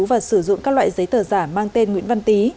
và sử dụng các loại giấy tờ giả mang tên nguyễn văn tý